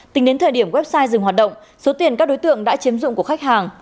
tính đến thời điểm website dừng hoạt động số tiền các đối tượng đã chiếm dụng của khách hàng